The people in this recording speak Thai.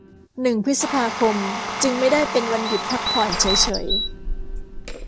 หนึ่งพฤษภาคม จึงไม่ได้เป็นวันหยุดพักผ่อนเฉยเฉย